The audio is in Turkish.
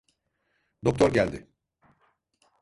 Doktor geldi.